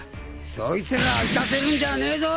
そいつらを行かせるんじゃねえぞ。